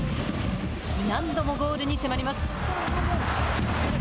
何度もゴールに迫ります。